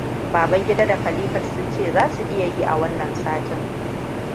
Babangida da Khalifat sun ce za su iya yi a wannan satin.